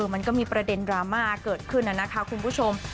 มันก็มีประเด็นดราม่าเกิดขึ้นนะคะคุณผู้ชม